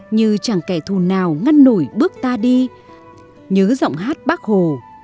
như chàng kẻ thù nào ngăn nổi bước ta đi nhớ giọng hát bác hồ